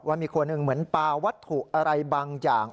มีคนหนึ่งเหมือนปลาวัตถุอะไรบางอย่าง